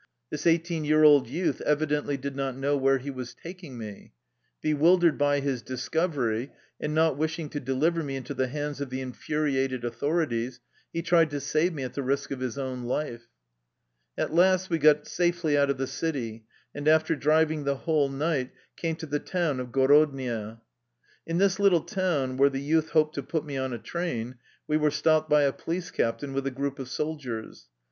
This eighteen year old youth evidently did not know where he was tak ing me. Bewildered by his discovery, and not wishing to deliver me into the hands of the in furiated authorities, he tried to save me at the risk of his own life. At last we safely got out of the city, and after driving the whole night came to the town of Gorodnia. In this little town, where the youth hoped to put me on a train, we were stopped by a police captain with a group of soldiers.